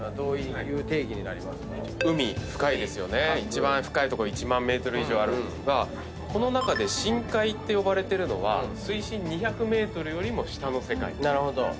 一番深い所１万ｍ以上あるんですがこの中で深海って呼ばれてるのは水深２００ｍよりも下の世界なんですね。